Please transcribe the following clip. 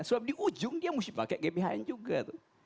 sebab di ujung dia mesti pakai gbhn juga tuh